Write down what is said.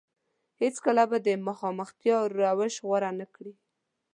هېڅ کله به د مخامختيا روش غوره نه کړي.